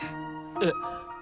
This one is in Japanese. えっ。